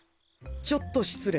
ちょっと失礼。